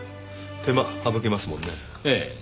手間省けますもんね？ええ。